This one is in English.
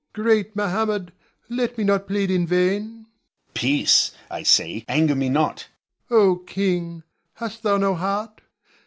Great Mohammed, let me not plead in vain. Moh'd. Peace, I say; anger me not. Ion. O king, hast thou no heart?